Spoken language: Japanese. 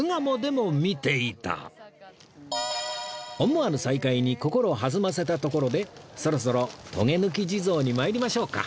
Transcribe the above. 思わぬ再会に心弾ませたところでそろそろとげぬき地蔵に参りましょうか